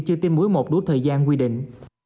chưa tiêm mũi một đủ thời gian quy định